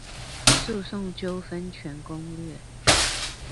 訴訟糾紛全攻略